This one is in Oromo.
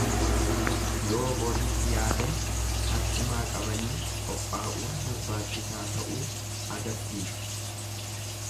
Yoo boriif yaadan har'umaa qabanii qophaa'uun barbaachisaa ta'uu agarsiisa.